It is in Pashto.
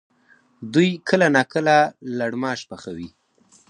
دوی کله ناکله لړماش پخوي؟